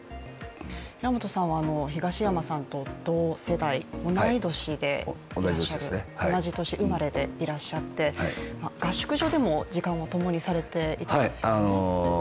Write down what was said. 平本さんは東山さんと同世代同じ年生まれでいらっしゃって合宿所でも時間を共にされていたんですよね。